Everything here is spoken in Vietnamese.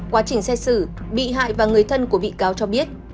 quá trình xét xử bị hại và người thân của bị cáo cho biết